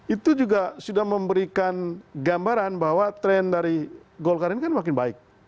itu juga sudah memberikan gambaran bahwa tren dari golkar ini kan makin baik